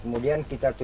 kemudian kita tutup